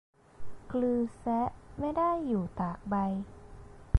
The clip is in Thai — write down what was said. กรือเซะไม่ได้อยู่ตากใบ